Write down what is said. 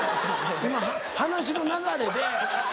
今話の流れで。